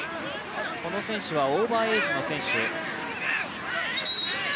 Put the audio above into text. この選手はオーバーエージの選手。